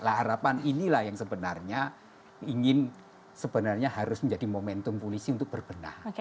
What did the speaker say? nah harapan inilah yang sebenarnya ingin sebenarnya harus menjadi momentum polisi untuk berbenah